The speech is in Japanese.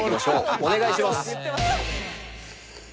お願いします。